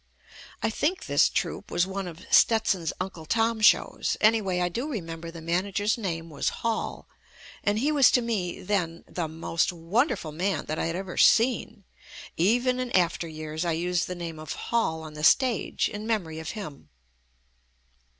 I think this troupe was one of "Stetson's Uncle Tom Shows." Anyway, I do remember the man ager's name was Hall, and he was to me then the most wonderful man that I had ever seen. Even in after years I used the name of Hall on the stage in memory of him.